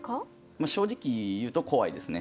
まあ正直言うと怖いですね。